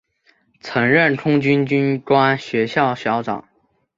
曾任空军军官学校校长。